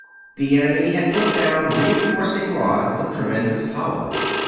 The enemy had put down reenforcing rods of tremendous power.